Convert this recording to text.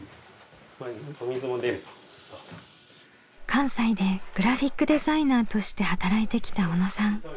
関西でグラフィックデザイナーとして働いてきた小野さん。